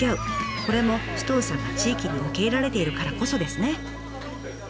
これも首藤さんが地域に受け入れられているからこそですね。